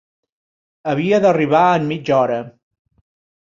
Havia d'arribar en mitja hora.